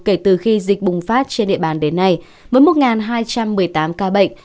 kể từ khi dịch bùng phát trên địa bàn đến nay với một hai trăm một mươi tám ca bệnh